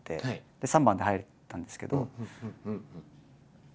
で３番で入れたんですけど。